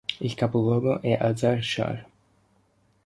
Il capoluogo è Azar Shahr.